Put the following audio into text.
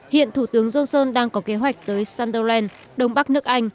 hiện thủ tướng johnson đang có kế hoạch tới sunderland đông bắc nước anh